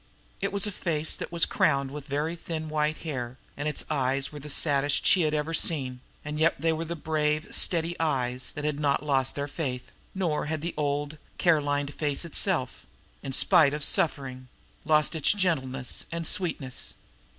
It was a face that was crowned with very thin white hair, and its eyes were the saddest she had ever seen, and yet they were brave, steady old eyes that had not lost their faith; nor had the old, care lined face itself, in spite of suffering, lost its gentleness and sweetness.